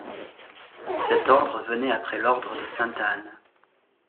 Cet Ordre venait après l’ordre de Sainte-Anne.